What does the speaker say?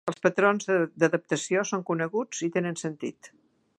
Els patrons d'adaptació són coneguts i tenen sentit.